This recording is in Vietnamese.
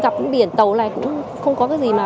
gặp biển tàu này cũng không có cái gì mà